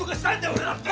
俺だって！